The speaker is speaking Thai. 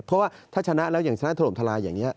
เพราะว่าถ้าชนะแล้วอย่างชนะถล่มทลายอย่างนี้